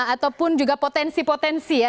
ataupun juga potensi potensi ya